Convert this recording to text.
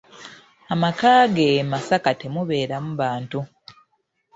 Amaka ge e Masaka temubeeramu bantu.